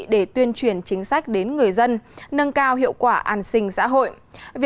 để tuyên truyền chính sách đến người dân nâng cao hiệu quả an sinh xã hội